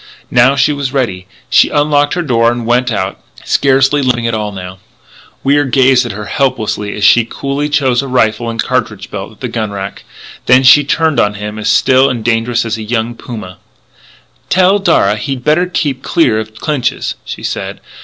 Now she was ready. She unlocked her door and went out, scarcely limping at all, now. Wier gazed at her helplessly as she coolly chose a rifle and cartridge belt at the gun rack. Then she turned on him as still and dangerous as a young puma: "Tell Darragh he'd better keep clear of Clinch's," she said.